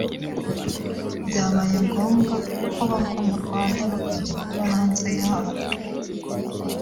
byabaye ngombwa ko bava mu Rwanda bakajya kuba hanze yarwo